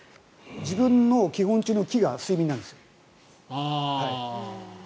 自分の基本中の「き」が睡眠なんですよ。